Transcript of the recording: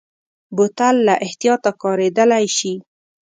بوتل له احتیاطه کارېدلی شي.